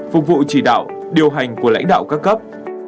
phục vụ chỉ đạo điều hành của lãnh đạo các cấp